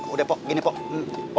udah poh gini poh